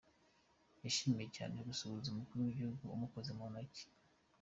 Yishimiye cyane gusuhuza umukuru w'igihugu amukoze mu ntoki.